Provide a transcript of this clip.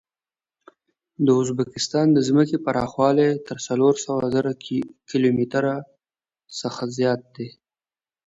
د ازبکستان د ځمکې پراخوالی تر څلور سوه زره کیلو متره څخه زیات دی.